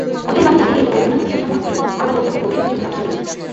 অতএব আমি জাতিভেদ ও অন্যান্য বিষয় সম্বন্ধে আমার বক্তব্য ভবিষ্যতের জন্য রাখিয়া দিলাম।